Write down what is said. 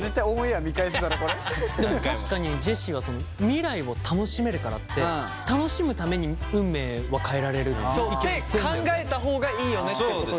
でも確かにジェシーは未来を楽しめるからって楽しむために運命は変えられるっていう意見を言ってんだよね。って考えた方がいいよねっていうことだよね。